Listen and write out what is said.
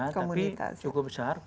tapi cukup besar